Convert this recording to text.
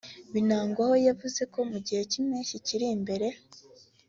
Binagwaho yavuze ko mu gihe cy’impeshyi kiri imbere